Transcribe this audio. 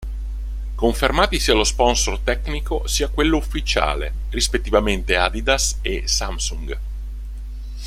Confermati sia lo sponsor tecnico sia quello ufficiale, rispettivamente Adidas e Samsung.